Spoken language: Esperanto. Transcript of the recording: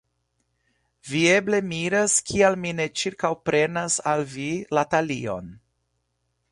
Vi eble miras, kial mi ne ĉirkaŭprenas al vi la talion.